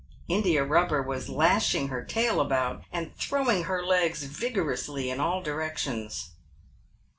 India Eubber was lashing her tail about, and throwing her legs vigorously in all directions.